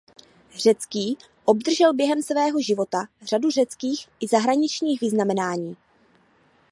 Řecký obdržel během svého života řadu řeckých i zahraničních vyznamenání.